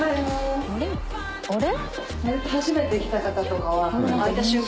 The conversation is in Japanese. あれ？